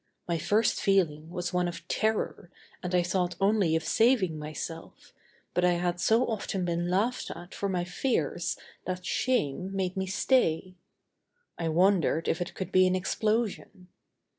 My first feeling was one of terror and I thought only of saving myself, but I had so often been laughed at for my fears that shame made me stay. I wondered if it could be an explosion.